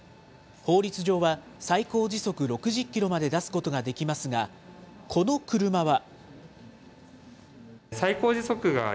法律上は最高時速６０キロまで出すことができますが、この車は。